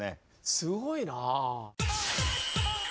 すごいな。